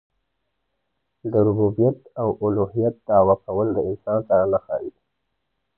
د ربوبیت او اولوهیت دعوه کول د انسان سره نه ښايي.